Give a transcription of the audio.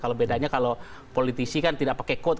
kalau bedanya kalau politisi kan tidak pakai quote